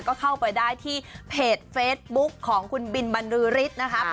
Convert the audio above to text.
ก็เข้าไปได้ที่เพจเฟซบุ๊คของคุณบินบรรลือฤทธิ์นะครับ